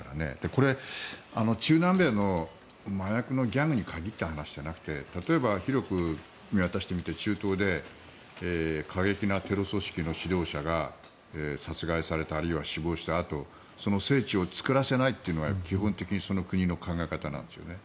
これ、中南米の麻薬のギャングに限った話じゃなくて例えば広く見渡してみて中東で過激なテロ組織の指導者が殺害されたあるいは死亡したあとその聖地を作らせないというのは基本的にその国の考え方なんですよね。